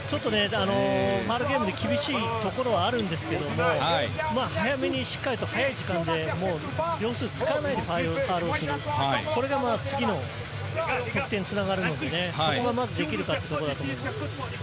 ファウルゲームで厳しいところはあるんですけれども、早めにしっかりと進んで、秒数を使わないでファウルをする、これが次の得点に繋がるので、これがまずできるかです。